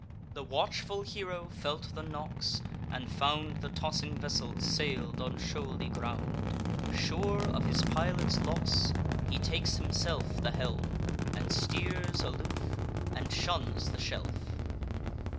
The watchful hero felt the knocks, and found The tossing vessel sail'd on shoaly ground. Sure of his pilot's loss, he takes himself The helm, and steers aloof, and shuns the shelf.